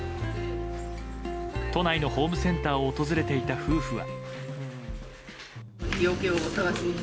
都内のホームセンターを訪れていた夫婦は。